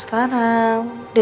soalnya color penburu gualang